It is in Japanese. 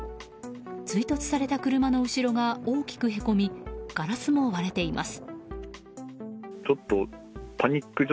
追突された車の後ろが大きくへこみガラスも割れています。